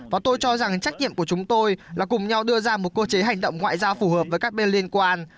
và tôi cho rằng trách nhiệm của chúng tôi là cùng nhau đưa ra một cơ chế hành động ngoại giao phù hợp với các bên liên quan